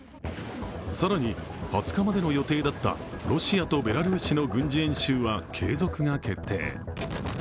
更に、２０日までの予定だったロシアとベラルーシの軍事演習は継続が決定。